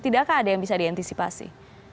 tidakkah ada yang bisa diantisipasi